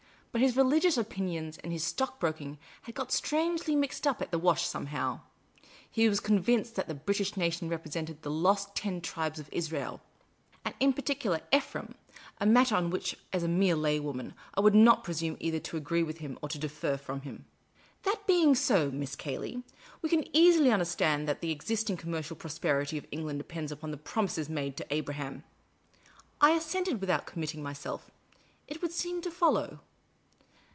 But his religious opin ions and his stockbroking had got strangely mixed up at the wash somehow. He was convinced that the British nation represented the lyost Ten Tribes of Israel — and in particular Kphraim — a matter on which, as a mere lay woman, I would not presume either to agree with him or to differ from him. " That being so, Miss Cayley, we can easily understand that the existing commercial prosperity of England depends upon the promises made to Abraham." 1 assented, without committing myself: " It would seem to follow."